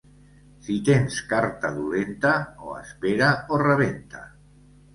Si tens carta dolenta, o espera o rebenta.